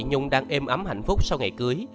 linh hùng chị nhung đang êm ấm hạnh phúc sau ngày cưới